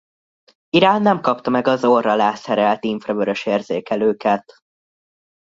Irán nem kapta meg az orr alá szerelt infravörös érzékelőket.